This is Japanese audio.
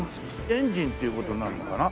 エンジンっていう事になるのかな？